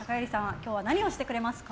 今日は何をしてくれますか。